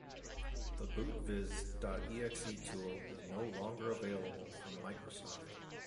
The Bootvis dot exe tool is no longer available from Microsoft.